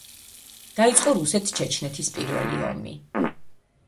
დაიწყო რუსეთ–ჩეჩნეთის პირველი ომი.